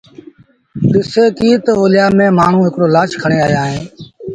ڏسي ڪيٚ تا اوليآ ميݩ مآڻهوٚٚݩ هڪڙو لآش کڻي آيآ اهيݩ